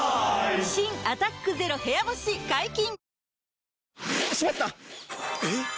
新「アタックＺＥＲＯ部屋干し」解禁‼